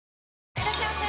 いらっしゃいませ！